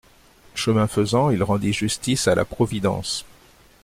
Chemin faisant, il rendit justice à la providence.